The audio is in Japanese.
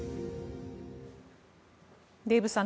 デーブさん